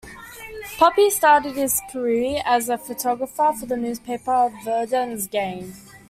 Poppe started his career as a photographer for the newspaper "Verdens Gang".